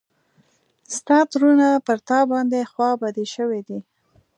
ستا ترونه پر تا باندې خوا بدي شوي دي.